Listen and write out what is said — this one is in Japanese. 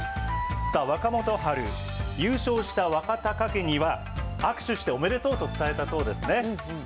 さあ、若元春、優勝した若隆景には握手しておめでとうと伝えたそうですね。